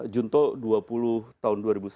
junto dua puluh tahun dua ribu sepuluh